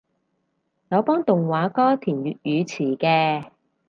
有幫動畫歌填粵語詞嘅